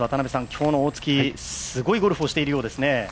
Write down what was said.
今日の大槻、すごいゴルフをしているようですね。